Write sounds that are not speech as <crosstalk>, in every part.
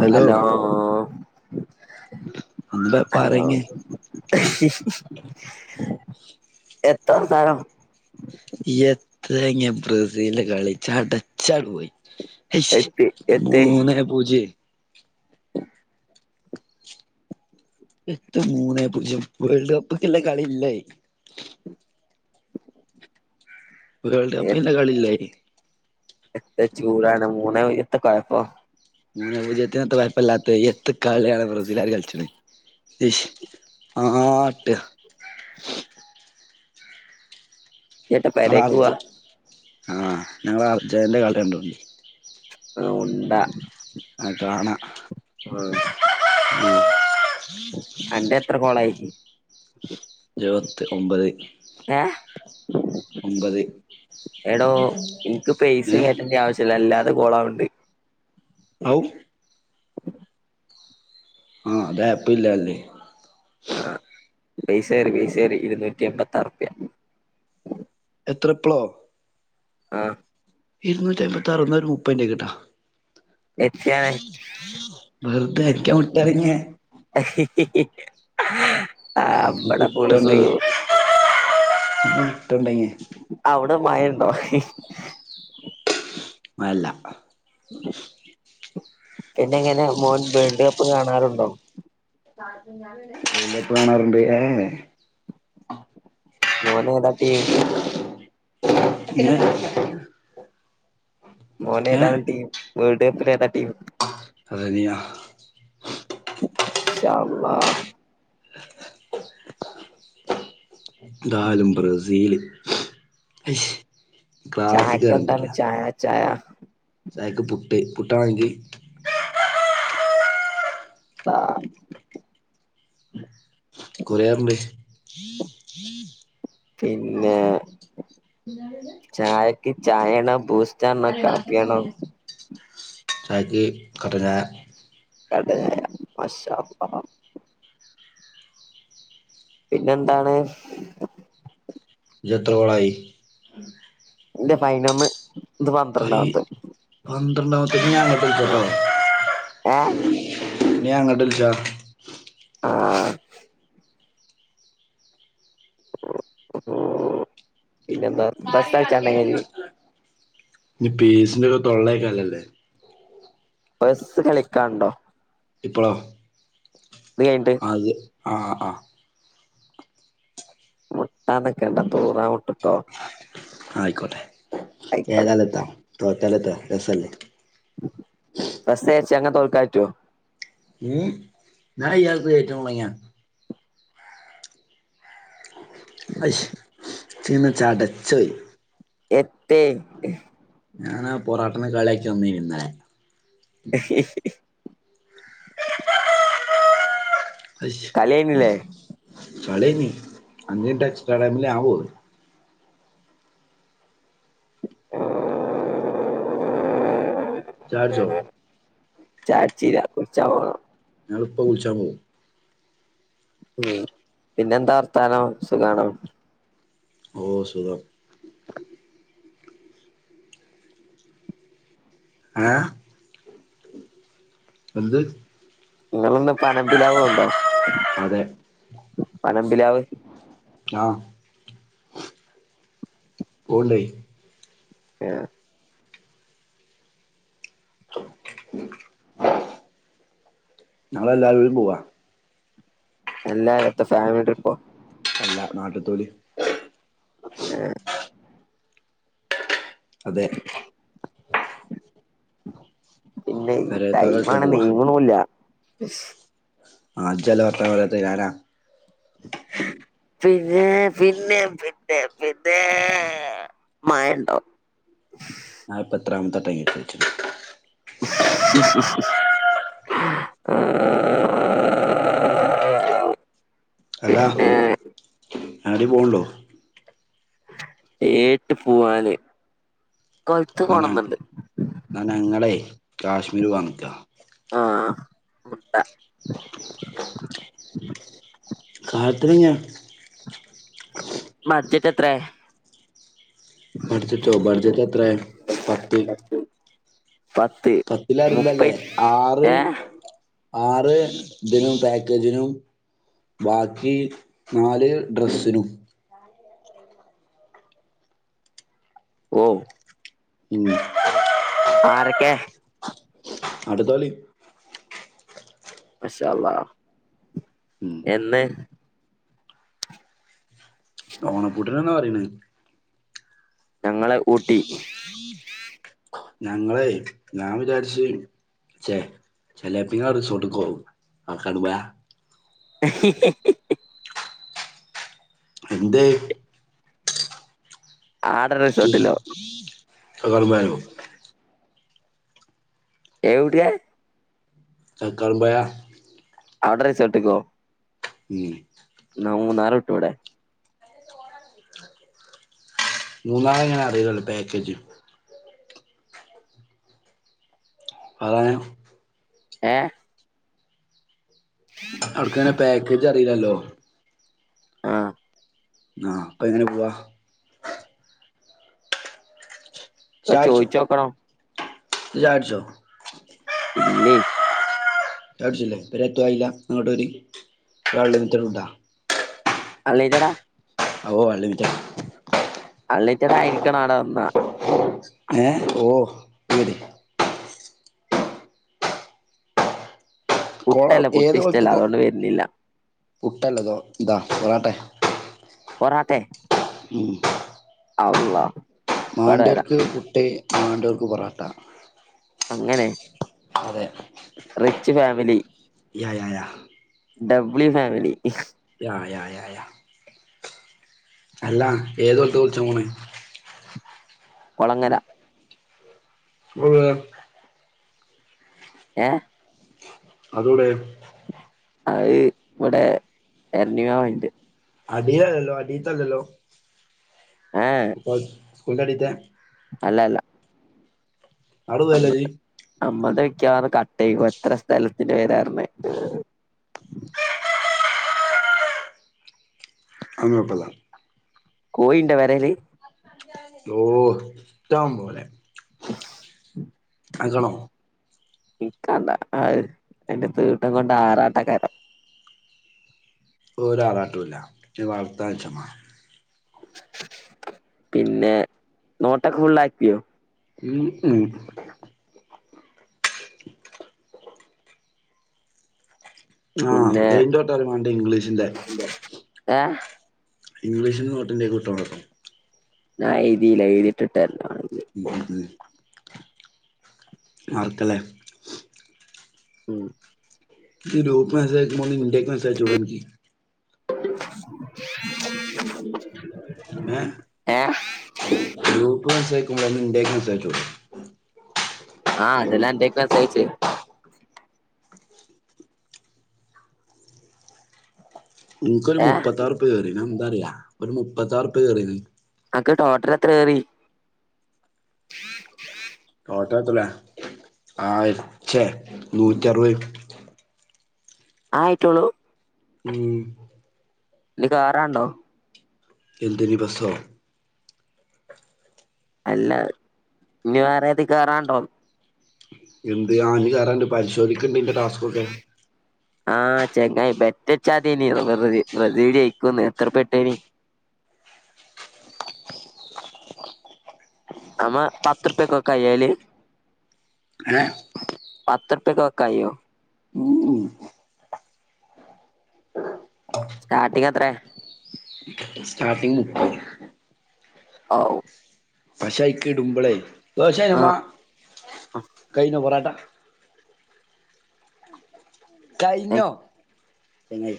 Hello. ഒന്ന് hello. പറഞ്ഞേ എത്ത വർത്താനം. യെത്തങ്ങെ ബ്രസീൽൻ്റെ കളി ചടച്ചട് പോയ്. ഐശ് എത്തി എത്തി മൂന്നേ പൂജ്യയ്. എത്ത മൂന്നേ പൂജ്യം വേൾഡ് കപ്പ്ക്ക് ല്ല കളില്ലയ്. വേൾഡ് കപ്പിനില്ല കളില്ലയ്ന്. എത്ത ചൂടാണ് മൂന്നേ എത്ത കൊഴ്പ്പം. മൂന്നെ പൂജ്യത്തിനെത്ത കൊയ്പ്പല്ലാത്ത് എത്ത് കള്യാണ് ബ്രസിലാര് കൾച്ച്ണ. ഐശ് ആട്ട. ചേട്ടാ പെരേക്ക് ങ്ങളർജ പോവാ ആഹ് ഞങ്ങളെ അർജന്റെ കളി കണ്ടോണ്ടി. ആ ഉണ്ട. ആ കാണ <inaudible> ഉം. അന്റെത്ര ഗോളായി. ഇരുപത്തി‌ ഒമ്പത്. ഏഹ്. ഒമ്പത് ഏ എടോ ഇൻക്ക് പെയ്സി കേറ്റണ്ട ആവശ്യല്ല അല്ലാതെ ഗോളാവ്ണ്ട്. ഔ. ആഹ് അതെപ്പ്ല്ല ല്ലെ. ആഹ് പെയ്സേറി പെയ്സേറി ഇരുന്നൂറ്റി എമ്പത്താറുപ്യ. എത്ര പ്ലോ. ആഹ്. ഇരുന്നൂറ്റി ഐമ്പത്താറൊ ന്നാ ഒര് മുപ്പ ഇൻ്റേക്ക്ട്ട. എത്തിയാണ് വെർതെ ഇക്ക്യാ വ്ട്ടര ഞ്ഞാ. ആഹ് അമ്പട പുളുസൂ. വിട്ടൊണ്ടങ്ങെ. അവ്ടെ മയണ്ടോ. മയല്ല. പിന്നെങ്ങനെ മോൻ വേൾഡ് കപ്പ് കാണാറുണ്ടോ. വേൾഡ് കപ്പ് കാണാറുണ്ട് ഏഹ് എഹ്. മോനേതാ ടീം. ഇത്. മോനേതാണ് ടീം വേൾഡ് കപ്പിലേതാ ടീം. അർജെന്റീന. ഷാ അളളാ. ന്താലും ബ്രസീല് ഐശ് ചായക്ക് എന്താണ് ക്ലാസ്ക്കെർങ്ങീല. ചായ ചായ. ചായ്ക്ക് പുട്ട് പുട്ടാണോ അൻക്ക്. താ കുറ്യേറ്ണ്ട്. പിന്നെ ചായക്ക് ചായണോ ബൂസ് റ്റാണോ കാപ്പ്യാണോ? ചായക്ക് കട്ടൻ ചായ. അതെ. മാഷാ അള്ളാ പിന്നെന്താണ്? ജ്ജ് എത്ര ഗോളായി ൻ്റെ പയ്നോന്ന് പൈ പന്ത്രണ്ടാമത്തേക്ക് ഏ <unintelligible> ഞാൻ അങ്ങട്ട് വിളിച്ചാ ആ ഉം പിന്നെന്താ ബസാഴ്ച്ചാണ്ട <unintelligible> ഇനി പേസിന്റെ ഓരോ തൊള്ളയേക്കാല്ലല്ലേ പസ്സ് കളിക്കാണ്ടോ? ഇപ്പോളോ ഇത് കഴിഞ്ഞിട്ട് അത് ആഹ് ആഹ് മുട്ടാനിക്കണ്ട തൂറാൻ മുട്ടുട്ടോ ആയിക്കോട്ടെ ആയിക്കോട്ടെ ഏതാലെന്താ തോറ്റാലെന്താ രസല്ലേ ബസ്ച്ചങ് തോൽക്കാറ്റോ ഉം ഞാൻ ഇയാൾക്ക് <unintelligible> ആയിഷ് ച്ച്ങ്ങനെ ചടച്ചോയ് എത്തെ ഞാനാ പൊറോട്ടനേ കളിയാക്കി വന്നിനിന്നലെ ഹി ഹി ഹി ആയിഷ് കളി കഴിഞ്ഞില്ലേ കളിഴിഞ്ഞ് അഞ്ച്നിറ്റ് എക്സ്ട്രാ ടൈമില് ഞാ പോന്ന് ചായട്ച്ചോ? ചായടിച്ചീല്ല. കുട്ച്ചാൻ പോണം. ഞള്പ്പ കുൾച്ചാ പോവും ഉം പിന്നെന്താർത്താനം സുഖാണോ ഓ സുഖം ആഹ് എന്ത്? നിങ്ങളിന്ന് പനംമ്പിലാവ് പോണ്ടോ? അതെ പനമ്പിലാവ് ആ പോവ്ണ്ടെയ് ഏ ഉം ങ്ങളെല്ലാരൂടി പോവാ എല്ലാരുത്താ ഫാമിലി ട്രിപ്പോ അല്ല നാട്ട്ത്തോല് ഏ അതെ പിന്നെ ഈ പെരേത്തോലൊക്കെ ടൈമാണേ പോവാ നീങ്ണുല്ല ശ് ആ ജ്ജ്അല്ലെ വർത്താനം പറ്യാതെ ഞാനാ <inaudible> പിന്നെ പിന്നെ പിന്നെ പിന്നേ മയ ണ്ടോ നാല്പ്പത്രാമത്ത ടൈമ്.. <unintelligible> ! !! അല്ല ആടേം പോണ് ണ്ടോ ഏട്ട് പോവാന് കൊൽത്ത് ന്നാ ഞാൻ പോണന്ന്ണ്ട് ന്നാ ഞങ്ങളെ കാശ്മീര് പോവാൻ നിക്കാ ആഹ് മുട്ട ! കാട്ട് <unintelligible> മർജറ്റ് എത്ര ബഡ്ജറ്റോ ബഡ്ജറ്റ് എത്രയോ പത്ത് പത്ത് പത്തി അരു മുപ്പ അല്ലേ ആറ് ഏഹ് ആറ് ഇതിനും പാക്കേജിനും ബാക്കി നാല് ഡ്രസ്സിനും ഓ ഹും ആരക്കെ ! ! അടുത്തോളി മാഷാ അള്ളാ ഉം എന്ന് ഓണപ്പൂട്ട്ന് ന്നാ പറണേ ഞങ്ങള് ഊട്ടി ഞങ്ങളെ ഞാൻ വിചാരിച്ച ചെചിലപ്പ റിസോർട്ട് പോകും കാക്കടപുഴ ഹ്.... എന്തായ് ആടെ ! റിസോർട്ടിലോ ! <unintelligible> എവിട്ടെ കക്കാടം പുഴ അവിടെ റിസോർട്ട് കൊ ഉം ന്ന മൂന്നാർ വിട്ടുടെ മൂന്നാർ ങ്ങാ അറിയല്ലല്ലേ പാക്കേജ് അത ഏ അവിടക്കങ്ങനെ പാക്കേജ് അറിയില്ലല്ലോ ആഹ് ആ പങ്ങനെ പോവാ ഒക്കെ ചായ കുടിച്ചോ? ചോയിച്ചോക്കണം ഇജ് ചായ കുടിച്ചോ? ഇല്ല്യ ചായ കുടിച്ചില്ലേ <unintelligible> അൺലിമിറ്റഡ അഓ അൺലിമിറ്റഡ അൺലിമിറ്റഡ് ആയിരിക്കണം അവിടെ വന്ന ഏഹ ഓഹ വരീൻ കൊള പുട്ട് ല്ല പുട്ട് ഏത് ഇഷ്ടല്ല കൊളത്ത്ക്കും അതുകൊണ്ട് വരുന്നില്ല പുട്ടല്ലതോ ഇതാ പൊറോട്ട പൊറാട്ട? ഉം അള്ള മാണ്ടവര്ക്ക്. പുട്ട്. മാണ്ടോർക്ക് പൊറാട്ട അങ്ങനെ അതെ റിച്ച് ഫാമിലി യ്യ യ്യ യ്യ ഡബ്ളി ഫാമിലി യ യ യ യ അല്ല ഏതോടത്ത കുളിച്ചാൻ പോണേ കൊളങ്ങരാ <unintelligible> ഏ അതെവിടെയ അഹ് ഇവടെ ഇരണിക ഉണ്ട് അടീലല്ലല്ലോ അടിത്തെ അല്ലല്ലോ ആഹ് <unintelligible> സ്കൂളിന്റെ അടീത്തെ അല്ല അല്ല അവിടെ പോവല്ലേ നമ്മ ഇജ്ജ് നമ്മടെ മിക്കവാറും കട്ട് ചെയ്യും എത്ര സ്ഥലത്തിന്റെ പേരാരുന്നു അങ്ങോട്ടല്ല കോയിയുണ്ടോ പെരേല് ഓ ഇഷ്ടം പോലെ ഹ്ഷ്.. കേൾക്കണോ എനിക്ക് വേണ്ട അയിന്റെ തീട്ടം കൊണ്ട് ആറാട്ടകാരം ഓരാറാട്ടും ഇല്ല ജ് വളർത്താൻ നിച്ചമാ പിന്നെ നോട്ടൊക്കെ ഫുള്ളാക്കിയോ ഉം ഉം ആഹ് പിന്നെ ഏതിന്റെ നോട്ടാ അനക്ക് വേണ്ടത് ഇംഗ്ലീഷിന്റെ ഏ ഇംഗ്ലീഷിന്റെ നോട്ട് ഉണ്ടെങ്കിൽ വിട്ടോളൂട്ടൊ ഞാൻ എഴുതീല്ല എഴുതിയിട്ട് വിട്ടേക്കാം ഏത് മാർക്കല്ലേ ഉം ഈ ഗ്രൂപ്പ് മെസ്സേജ് അയക്കുമ്പോലെ എന്റേതിലേക്ക് മെസ്സേജ് അയച്ച് കൂടെ നിനക്ക് <inaudible> ഏ ഏഹ് ഗ്രൂപ്പ് മെസ്സേജ് അയക്കും പോലെ എന്റേക്ക് മെസ്സേജ് അയച്ച് കൂടെ ആ അതല്ലേ അന്റെയ്ക്ക് മെസ്സേജ് അയച്ചത് എനിക്കൊരു ഏഹ് മുപ്പത്താറ് റുപ്പിക കേറീന് അത് എന്താ അറിയുവോ ഒരു മുപ്പത്താറ് റുപ്പിക കേറീന് അനക്ക് ടോട്ടൽ എത്ര കേറി <inaudible> ടോട്ടൽ <unintelligible> ആയി ഇച്ചേ നൂറ്റിയറുപത് ആയിട്ടൊള്ളൂ ഉം ഇനി കേറാനുണ്ടോ എന്തിനി ബസ്സോ അല്ല ഇനി വേറെ ഏതിൽ കേറാനുണ്ടോന്ന് എന്ത് ആ ഇനി കേറാനുണ്ട് പരിശോധിക്കുന്നുണ്ട് ഇന്റെ ടാസ്കൊക്കെ ആഹ് ചങ്ങായി ബെറ്റ് വെച്ചാതിനി ബ്രസീല് ജയിക്കൂന്ന് എത്ര ബെറ്റാണ് അമ്മ പത്ത് റുപ്പിയക്ക് <unintelligible> ഏ പത്ത് റുപ്പിയക്ക് വെക്കാൻ കഴിയുവോ ഉം ഉം സ്റ്റാർട്ടിങ്ങ് എത്രയാ സ്റ്റാർട്ടിങ്ങ് മുപ്പത് <unintelligible> പഷേയ്ക്ക്ടുമ്പളേ ദോശയൊമ്മ ആഹ് കൈഞ്ഞോ പൊറാട്ട കയിഞ്ഞോ എന്നത്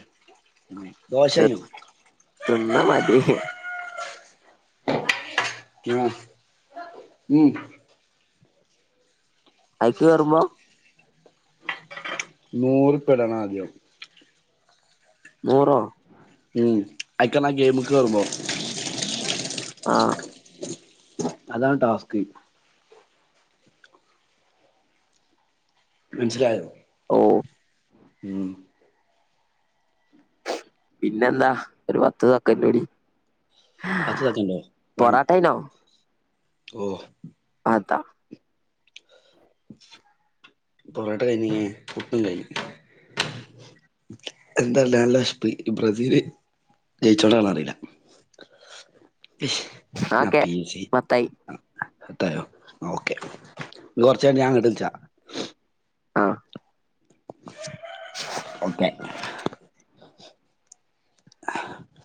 ദോശയിഞ്ഞോ തിന്ന മതി ആഹ് ഉംഹ് ഐക്ക് കേറുമ്പോ നൂറ് ഇപ്പൊ ഇടണം ആദ്യം നൂറോ? ഉം അയിക്കെന്ന ആ ഗെയിമ്ക്ക് കേറുമ്പം ആഹ് അതാണ് ടാസ്ക് മനസ്സിലായോ? ഓ ഉം പിന്നെന്താ ഒരു പത്ത്തക്കൂടി പൊറട്ടന്നോ ഓഹ് അത പൊറാട്ട കഴിഞ്ഞ് പുട്ടും കഴിഞ്ഞ് എന്താഉണ്ടാവാണോല്ലേ ബ്രസീല് ജയിച്ചോണ്ടന്നറിയില്ല ഒക്കെ പത്തായി പത്തായോ ഓക്കെ കുറച്ചായിട്ട് ഞങ്ങോട്ട് വിച്ചാ ആഹ് ഓക്കെ അഹ്